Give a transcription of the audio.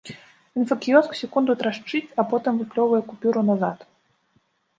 Інфакіёск секунду трашчыць, а потым выплёўвае купюру назад.